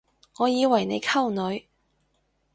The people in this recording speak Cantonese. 我以為你溝女